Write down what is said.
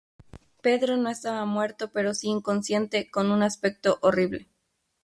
Pedro no estaba muerto pero si inconsciente, con un aspecto horrible.